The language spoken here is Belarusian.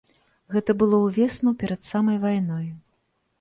Гэта было ўвесну перад самай вайной.